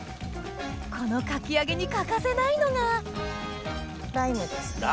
このかき揚げに欠かせないのがライムですね